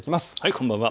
こんばんは。